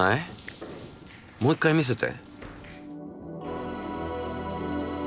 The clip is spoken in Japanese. もう一回見せて。